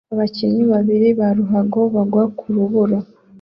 Abakinnyi babiri ba ruhago bagwa ku rubura